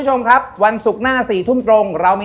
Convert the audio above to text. ใช่ครับ